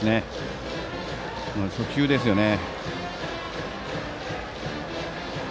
初球ですよね。